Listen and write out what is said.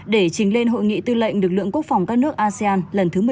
để chính lên hội nghị tư lệnh đực lượng quốc phòng các nước asean lần thứ một mươi bảy thông qua